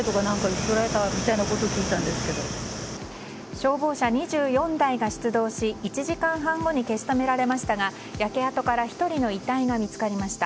消防車２４台が出動し１時間半後に消し止められましたが焼け跡から１人の遺体が見つかりました。